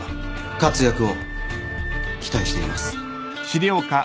活躍を期待しています。